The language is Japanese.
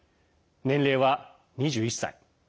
年齢は２１歳。